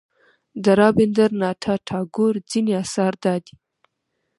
د رابندر ناته ټاګور ځینې اثار دادي.